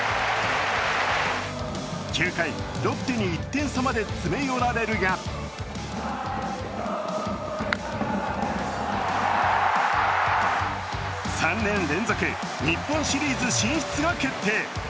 ９回、ロッテに１点差まで詰め寄られるが３年連続日本シリーズ進出が決定。